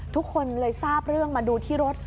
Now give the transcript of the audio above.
ทุกคนเลยทราบเรื่องมาดูที่รถ